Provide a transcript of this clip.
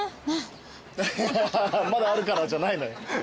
まだあるからじゃないのよ。